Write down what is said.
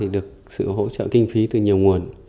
được sự hỗ trợ kinh phí từ nhiều nguồn